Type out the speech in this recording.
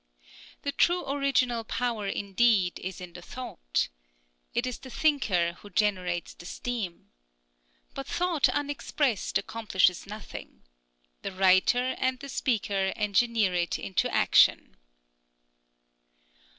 The true original power, indeed, is in the thought. It is the thinker who generates the steam. But thought unexpressed accomplishes nothing. The writer and the speaker engineer it into action.